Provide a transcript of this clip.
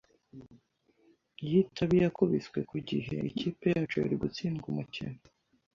Iyo itaba iyakubiswe ku gihe, ikipe yacu yari gutsindwa umukino.